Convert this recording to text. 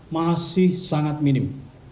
masih sangat minim